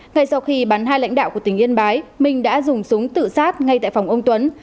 ngay sau khi bắn hai lãnh đạo của tỉnh yên bái minh đã dùng súng tự sát ngay tại phòng ông tuấn